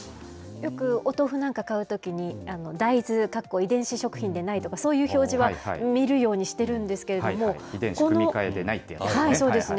よく、お豆腐なんか買うときに、大豆かっこ遺伝子食品でないという、そういう表示は見るようにし遺伝子組み換えでないってやそうですね。